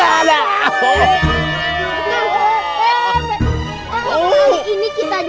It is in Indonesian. aduh aduh aduh